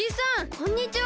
こんにちは！